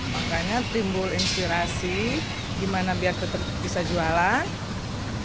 makanya timbul inspirasi gimana biar tetap bisa jualan